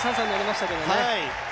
３３歳になりましたけどね